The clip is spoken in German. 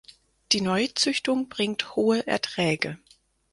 Die Neuzüchtung bringt hohe Erträge.